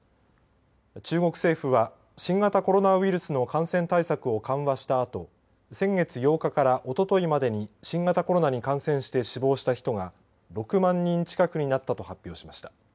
中国政府は新型コロナウイルスの感染対策を緩和したあと先月８日からおとといまでに新型コロナに感染して死亡した人が６万人近くになったと発表しました。